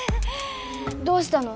どうしたの？